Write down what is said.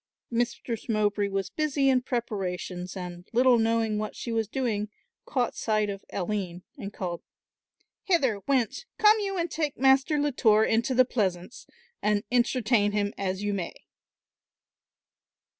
Mistress Mowbray was busy in preparations and, little knowing what she was doing, caught sight of Aline and called, "Hither, wench, come you and take Master Latour into the pleasaunce and entertain him as ye may."